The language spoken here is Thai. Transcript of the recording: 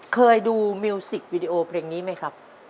เคยดูมิวสิกวิดีโอเพลงนี้ไหมครับ